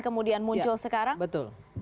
kemudian muncul sekarang betul